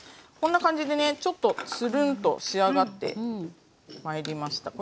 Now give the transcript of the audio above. こんな感じでねちょっとつるんと仕上がってまいりました。